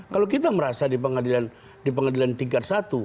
kalau kita merasa di pengadilan tingkat satu